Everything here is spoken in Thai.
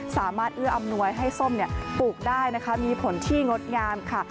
เอื้ออำนวยให้ส้มปลูกได้นะคะมีผลที่งดงามค่ะ